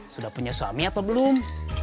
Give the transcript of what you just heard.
sudah punya suami atau belum